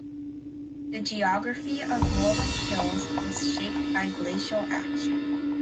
The geography of rolling hills was shaped by glacial action.